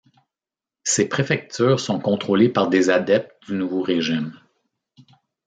Ces préfectures sont contrôlées par des adeptes du nouveau régime.